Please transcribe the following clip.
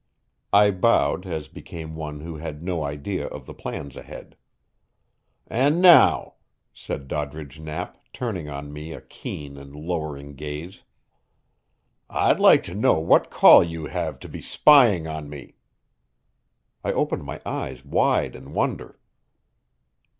I bowed as became one who had no idea of the plans ahead. "And now," said Doddridge Knapp, turning on me a keen and lowering gaze, "I'd like to know what call you have to be spying on me?" I opened my eyes wide in wonder.